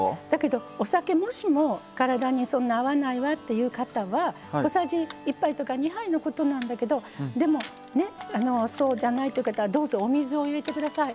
お酒、もしも体にそんなに合わないわっていう方は小さじ１杯とか２杯のことなんだけどでもね、そうじゃないって方はどうぞお水を入れてください。